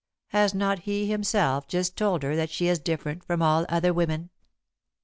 Has not he himself just told her that she is different from all other women?